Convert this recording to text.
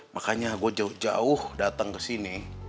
makanya gue jauh jauh dateng kesini